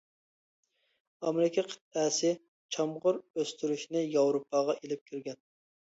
ئامېرىكا قىتئەسى چامغۇر ئۆستۈرۈشنى ياۋروپاغا ئېلىپ كىرگەن.